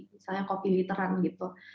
misalnya kopi literan gitu